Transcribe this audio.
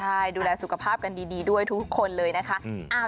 ใช่ดูแลสุขภาพกันดีด้วยทุกคนเลยนะคะ